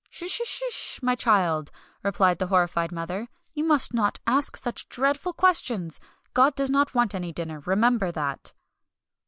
"S sh sh, my child!" replied the horrified mother, "you must not ask such dreadful questions. God doesn't want any dinner, remember that."